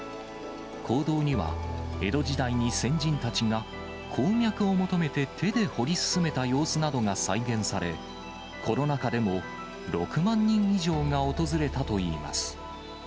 坑道には、江戸時代に先人たちが鉱脈を求めて手で掘り進めた様子などが再現され、コロナ禍でも６万人以上が訪れたといいます。